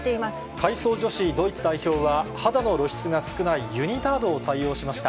体操女子ドイツ代表は、肌の露出が少ないユニタードを採用しました。